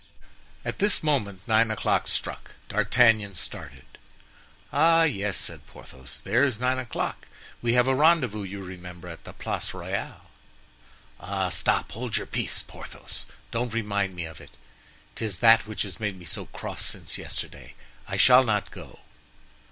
At this moment nine o'clock struck. D'Artagnan started. "Ah, yes," said Porthos, "there is nine o'clock. We have a rendezvous, you remember, at the Place Royale." "Ah! stop! hold your peace, Porthos, don't remind me of it; 'tis that which has made me so cross since yesterday. I shall not go."